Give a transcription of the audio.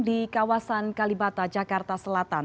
di kawasan kalibata jakarta selatan